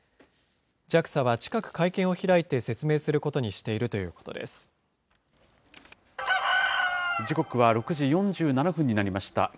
ＪＡＸＡは近く、会見を開いて説明することにしているということ時刻は６時４７分になりました。